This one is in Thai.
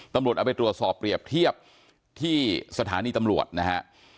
ตำรวจเอาไปตรวจสอบเปรียบเทียบที่สถานีตำรวจนะฮะ